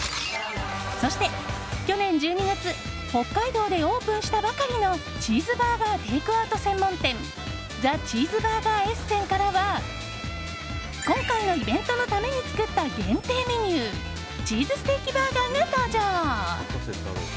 そして去年１２月北海道でオープンしたばかりのチーズバーガーテイクアウト専門店ザ・チーズバーガーエッセンからは今回のイベントのために作った限定メニューチーズステーキバーガーが登場。